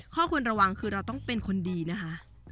ข้อควรระวังคือเราต้องเป็นคนดีนะคะ